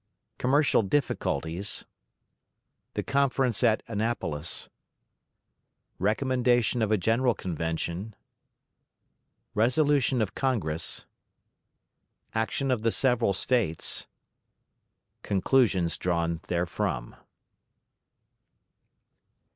Commercial Difficulties. The Conference at Annapolis. Recommendation of a General Convention. Resolution of Congress. Action of the Several States. Conclusions drawn therefrom.